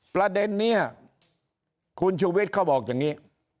ประเด็นนี้คุณชูวิทย์เขาบอกอย่างนี้